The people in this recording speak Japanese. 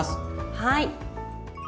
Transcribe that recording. はい。